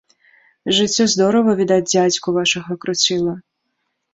Жыццё здорава, відаць, дзядзьку вашага круціла.